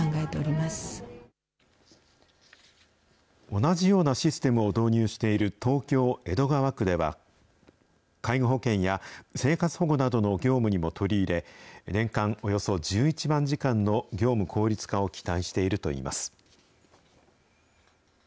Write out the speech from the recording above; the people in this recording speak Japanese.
同じようなシステムを導入している東京・江戸川区では、介護保険や生活保護などの業務にも取り入れ、年間およそ１１万時間の業務効率化を期待しているといいます。